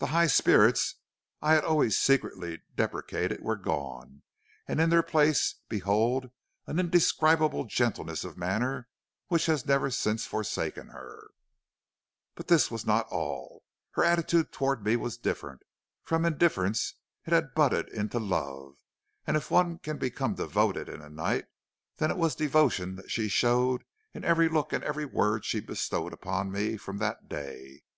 The high spirits I had always secretly deprecated were gone, and in their place behold an indescribable gentleness of manner which has never since forsaken her. "But this was not all; her attitude towards me was different. From indifference it had budded into love; and if one can become devoted in a night, then was it devotion that she showed in every look and every word she bestowed upon me from that day.